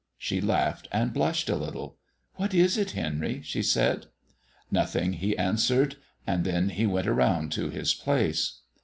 She laughed and blushed a little. "What is it, Henry?" she said. "Nothing," he answered, and then he went around to his place.